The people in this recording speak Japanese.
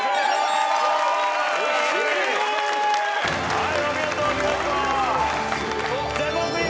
はいお見事お見事。